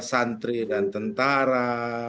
santri dan tentara